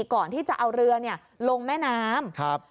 ก่อนที่จะเอาเรือเนี้ยลงแม่น้ำครับ